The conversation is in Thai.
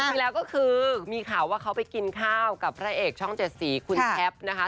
รีชันมีข่าวว่าเขาคนกินข้าวกับพระเอกช่องเจสสีคุณแทปนะคะ